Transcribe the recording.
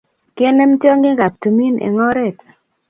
kenem tyongikab tumin eng oret